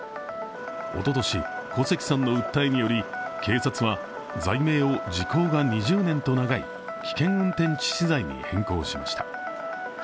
おととし、小関さんの訴えにより警察は罪名を時効が２０年と長い危険運転致死罪に変更しました。